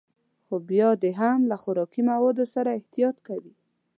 خو بيا دې هم له خوراکي موادو سره احتياط کوي.